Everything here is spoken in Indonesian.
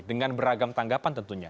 dengan beragam tanggapan tentunya